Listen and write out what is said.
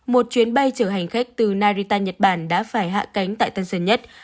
một chuyến bay chở hành khách từ narita nhật bản đã phải hạ cánh tại tân sơn nhất